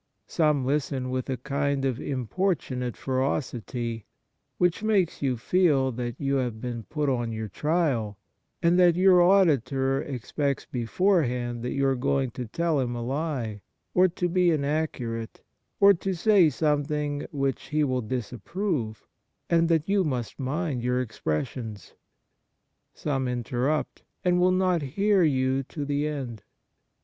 Some listen with a kind of importunate ferocity, which makes you feel that you have been put on your trial, and that your auditor expects beforehand that you are going to tell him a lie, or to be inaccurate, or to say some thing which he will disapprove, and that you must mind your expressions. Some interrupt, and will not hear you to the end.